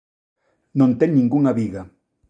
Non ten ningunha viga.